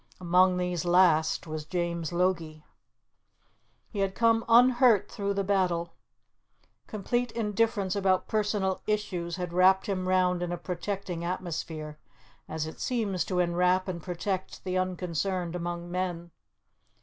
Among these last was James Logie. He had come unhurt through the battle. Complete indifference about personal issues had wrapped him round in a protecting atmosphere, as it seems to enwrap and protect the unconcerned among men.